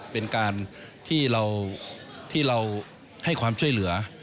เป็นการที่เราให้ความช่วยเหลือ